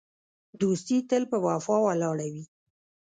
دوستي تل په وفا ولاړه وي.